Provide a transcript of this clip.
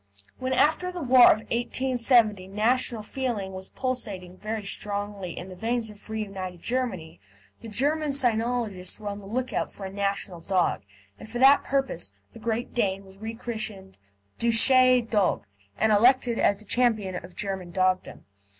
When after the war of 1870 national feeling was pulsating very strongly in the veins of reunited Germany, the German cynologists were on the lookout for a national dog, and for that purpose the Great Dane was re christened "Deutsche Dogge," and elected as the champion of German Dogdom.